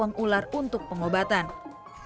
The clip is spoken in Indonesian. jangan juga menghubungi rumah sakit terdekat